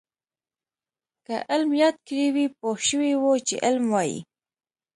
که علم یاد کړی وی پوه شوي وو چې علم وايي.